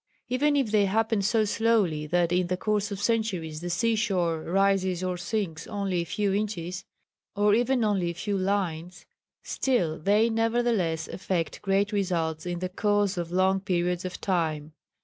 Even if they happen so slowly that in the course of centuries the seashore rises or sinks only a few inches, or even only a few lines, still they nevertheless effect great results in the course of long periods of time.